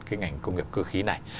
cái ngành công nghiệp cơ khí này